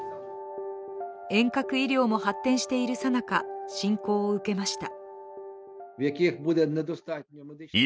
遠隔医療も発展しているさなか、侵攻を受けました。